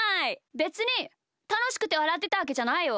べつにたのしくてわらってたわけじゃないよ。